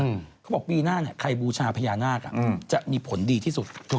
เขาบอกปีหน้าเนี่ยใครบูชาพญานาคอ่ะอืมจะมีผลดีที่สุด